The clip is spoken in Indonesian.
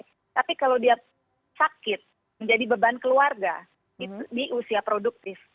tapi kalau dia sakit menjadi beban keluarga di usia produktif